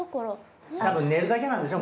寝るだけなんでしょ。